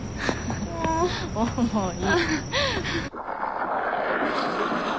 重い。